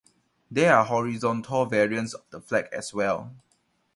There are horizontal variants of the flag as well.